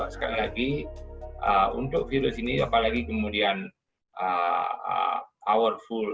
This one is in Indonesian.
sekali lagi untuk virus ini apalagi kemudian powerful